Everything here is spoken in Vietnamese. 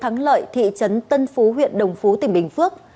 thắng lợi thị trấn tân phú huyện đồng phú tỉnh bình phước